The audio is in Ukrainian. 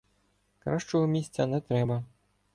Кращого місця не треба.